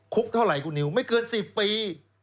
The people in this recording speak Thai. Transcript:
คุกเท่าไหร่กูนิวไม่เกิน๑๐ปี๑๖๒